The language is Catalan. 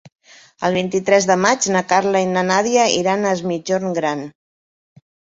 El vint-i-tres de maig na Carla i na Nàdia iran a Es Migjorn Gran.